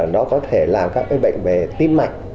nó có thể làm các cái bệnh về tim mạch